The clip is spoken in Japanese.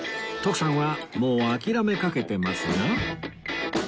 徳さんはもう諦めかけてますが